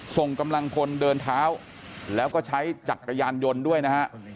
ส่งกำลังพลเดินเท้าแล้วก็ใช้จักรยานยนต์ด้วยนะฮะ